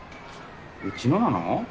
うちのなの？